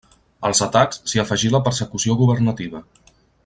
Als atacs s'hi afegí la persecució governativa.